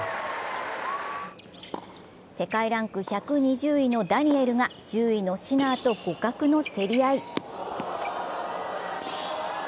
世界ランク１２０位のダニエルが１０位のシナーと互角の競り合い。